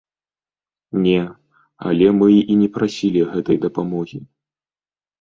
Не, але мы і не прасілі гэтай дапамогі.